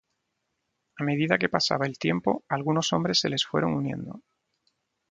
A medida que pasaba el tiempo, algunos hombres se les fueron uniendo.